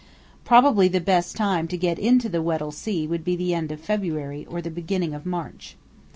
Probably the best time to get into the Weddell Sea would be the end of February or the beginning of March.